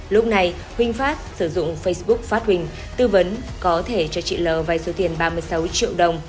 lúc này huỳnh phát sử dụng facebook phát huỳnh tư vấn có thể cho chị l vài số tiền ba mươi sáu triệu đồng